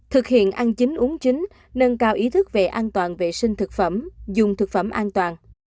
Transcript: thực hiện ăn chín uống chính nâng cao ý thức về an toàn vệ sinh thực phẩm dùng thực phẩm an toàn